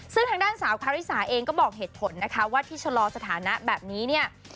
ซึ่งทางด้านสาวคาริสาเองก็บอกเหตุผลนะคะว่าที่ชะลอสถานะแบบนี้เนี่ย